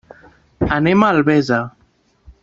Anem a Albesa.